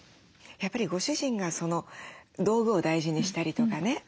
やっぱりご主人が道具を大事にしたりとかね